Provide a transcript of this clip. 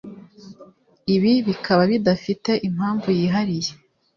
ibi bikaba bidafite impamvu yihariye